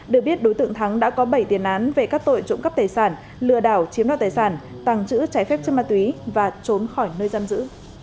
được biết đối tượng thắng đã có bảy tiền án về các tội trộm cắp tài sản lừa đảo chiếm đoạt tài sản tàng trữ trái phép chất ma túy và trốn khỏi nơi giam giữ